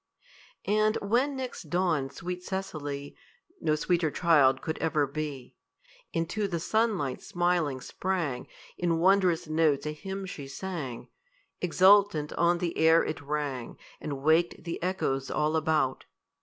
And when next dawn sweet Cecily No sweeter child could ever be Into the sunlight smiling sprang, In wondrous notes a hymn she sang. Exultant on the air it rang, And waked the echoes all about.